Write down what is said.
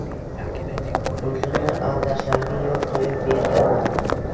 Oʻzimni aldashlariga yoʻl qoʻyib berganman